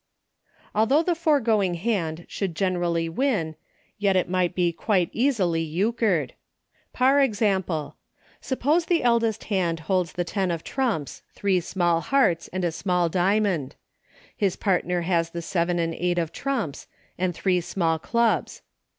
Although the foregoing hand would gene rally win, yet it might be quite easily Euchred. Par example : Suppose the eldest hand holds the ten of trumps, three small hearts, and a small diamond. His partner has the seven and eight of trumps, and three small clubs.